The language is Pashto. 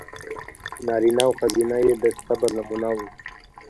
نارینه او ښځینه یې د صبر نمونه و.